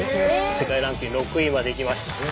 世界ランキング６位までいきました